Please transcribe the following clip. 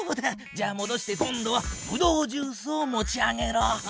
じゃあもどして今度はブドウジュースを持ち上げろ。